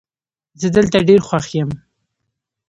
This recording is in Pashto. زه دلته ډېر خوښ یم